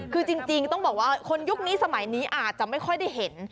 คือจริงต้องบอกว่าคนยุคนี้สมัยนี้อาจจะไม่ค่อยได้เห็น